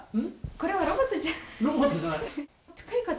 これはロボットじゃないか！